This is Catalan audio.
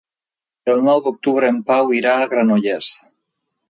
El nou d'octubre en Pau irà a Granollers.